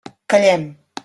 Callem.